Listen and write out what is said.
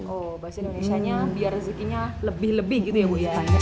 oh bahasa indonesia nya biar rezekinya lebih lebih gitu ya bu ya